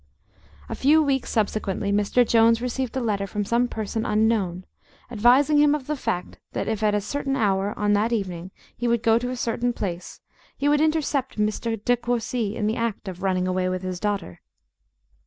A few weeks subsequently, Mr. Jones received a letter from some person unknown, advising him of the fact that if at a certain hour on that evening he would go to a certain place, he would intercept Mr. De Courci in the act of running away with his daughter.